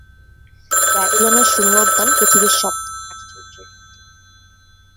ব্যাবিলনের শূন্য উদ্যান পৃথিবীর সপ্তম আশ্চর্যের একটি।